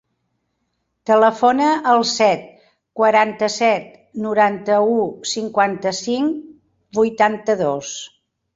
Telefona al set, quaranta-set, noranta-u, cinquanta-cinc, vuitanta-dos.